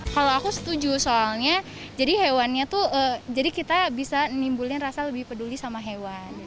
kalau aku setuju soalnya jadi kita bisa menimbulkan rasa lebih peduli sama hewan